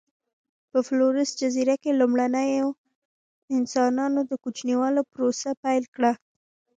په فلورس جزیره کې لومړنیو انسانانو د کوچنیوالي پروسه پیل کړه.